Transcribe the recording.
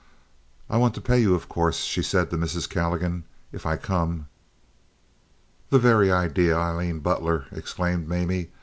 "I want to pay you, of course," she said to Mrs. Calligan, "if I come." "The very idea, Aileen Butler!" exclaimed Mamie.